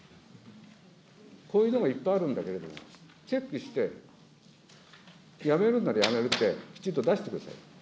こういうのがいっぱいあるんだけれども、チェックして、やめるんならやめるってきちんと出してください。